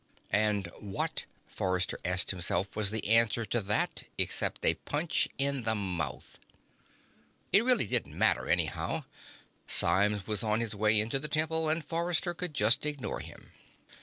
And what, Forrester asked himself, was the answer to that except a punch in the mouth? It really didn't matter, anyhow. Symes was on his way into the temple, and Forrester could just ignore him.